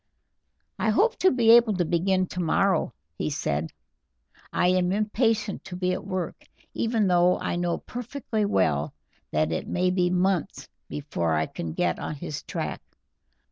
"I hope to be able to begin tomorrow," he said. "I am impatient to be at work, even though I know perfectly well that it may be months before I can get on his track.